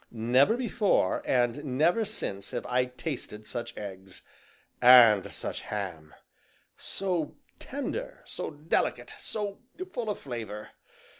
Never before, and never since have I tasted just such eggs, and such ham so tender! so delicate! so full of flavor!